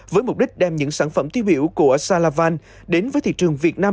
với mục đích đem những sản phẩm tiêu biểu của salavan đến với thị trường việt nam